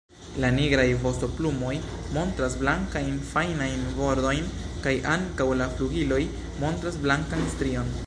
La nigraj vostoplumoj montras blankajn fajnajn bordojn kaj ankaŭ la flugiloj montras blankan strion.